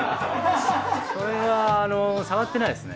それは触ってないですね。